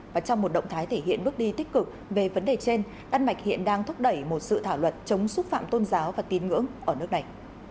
và trong một động thái thể hiện bước đi tích cực về vấn đề trên đan mạch hiện đang thúc đẩy một sự thảo luật chống xúc phạm tôn giáo và tin ngưỡng ở nước này